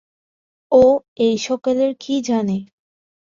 ও এ-সকলের কী জানে?